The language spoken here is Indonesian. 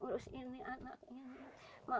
menurut ini anaknya